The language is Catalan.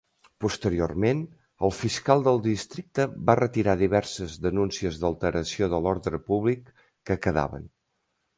Posteriorment, el fiscal del districte va retirar diverses denúncies d'alteració de l'ordre públic que quedaven.